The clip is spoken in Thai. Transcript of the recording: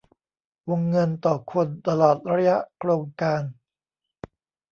วงเงินต่อคนตลอดระยะโครงการ